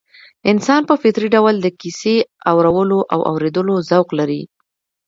انسان په فطري ډول د کيسې اورولو او اورېدلو ذوق لري